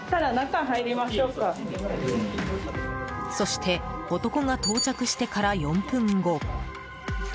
そして男が到着してから４分後。